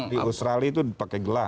di australia itu pakai gelas